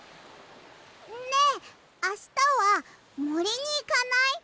ねえあしたはもりにいかない？